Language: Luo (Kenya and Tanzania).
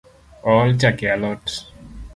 Ool chak e alot